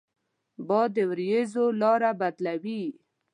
باد د ورېځو لاره بدلوي